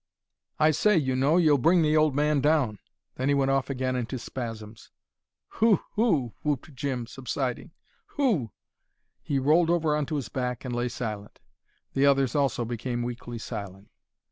"I say, you know, you'll bring the old man down." Then he went off again into spasms. "Hu! Hu!" whooped Jim, subsiding. "Hu!" He rolled over on to his back, and lay silent. The others also became weakly silent.